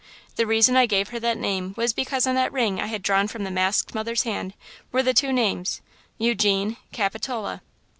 The reason I gave her that name was because on that ring I had drawn from the masked mother's hand were the two names–Eugene–Capitola.